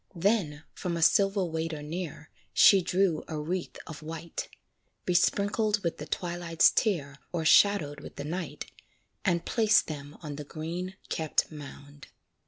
Then, from a silver waiter near, She drew a wreath of white, Besprinkled with the twilight's tear, O'ershaded with the night, And placed them on the green kept mound.